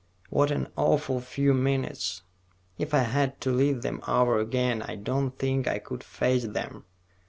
What an awful few minutes! If I had to live them over again, I don't think I could face them."